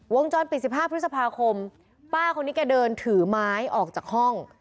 วงจรปิด๑๕พฤษภาคมป้าคนนี้แกเดินถือไม้ออกจากห้อง